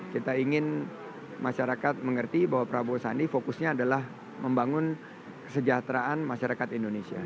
kita ingin masyarakat mengerti bahwa prabowo sandi fokusnya adalah membangun kesejahteraan masyarakat indonesia